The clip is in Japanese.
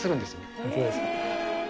本当ですか。